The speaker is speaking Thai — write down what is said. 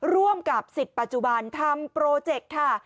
ร่วมกับสิทธิ์ปัจจุบันทำโปรเจคค่ะ